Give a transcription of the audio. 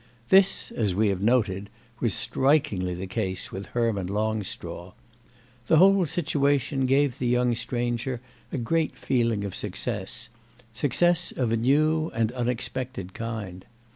This, as we have noted, was strikingly the case with Herman Longstraw. The whole situation gave the young stranger a great feeling of success—success of a new and unexpected kind.